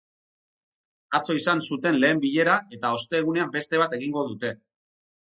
Atzo izan zuten lehen bilera, eta ostegunean beste bat egingo dute.